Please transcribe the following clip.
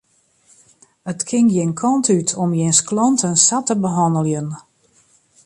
It kin gjin kant út om jins klanten sa te behanneljen.